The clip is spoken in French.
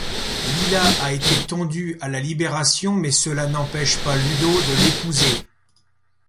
Lila a été tondue à la Libération mais cela n'empêche pas Ludo de l'épouser.